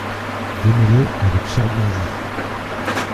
- Démêlés avec Charles d'Anjou.